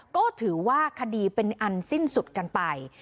ก็ถือว่าคดีเป็นอันสิ้นสุดกันไป